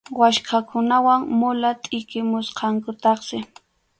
Waskhakunawan mula tʼiqimusqankutaqsi.